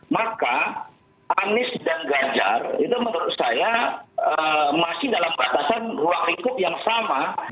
maka anies dan ganjar itu menurut saya masih dalam batasan ruang lingkup yang sama